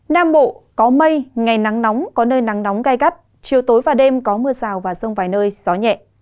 nam bộ có mây ngày nắng nóng có nơi nắng nóng gai gắt chiều tối và đêm có mưa rào và rông vài nơi gió nhẹ